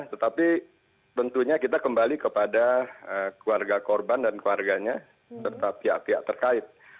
tetapi tentunya kita kembali kepada keluarga korban dan keluarganya serta pihak pihak terkait